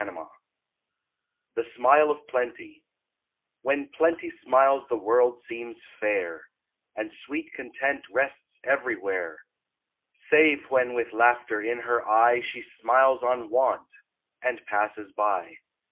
THE SMILE OF PLENTY WHEN Plenty smiles the world seems fair, And sweet content rests everywhere, Save when with laughter in her eye She smiles on Want and passes by.